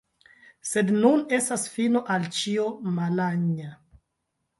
sed nun estas fino al ĉio, Malanja.